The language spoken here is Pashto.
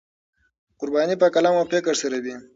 قرباني په قلم او فکر سره وي.